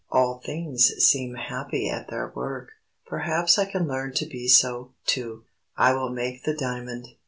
All things seem happy at their work. Perhaps I can learn to be so, too. I will make the diamond.